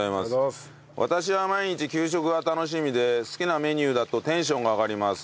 私は毎日給食が楽しみで好きなメニューだとテンションが上がります。